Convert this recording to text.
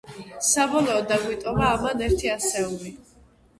საბოლოოდ დაგვიტოვა ამან ერთი ასეული.